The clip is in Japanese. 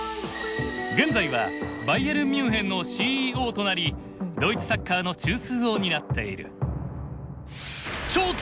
現在はバイエルンミュンヘンのＣＥＯとなりドイツサッカーの中枢を担っている。